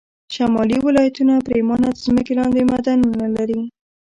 شمالي ولایتونه پرېمانه د ځمکې لاندې معدنونه لري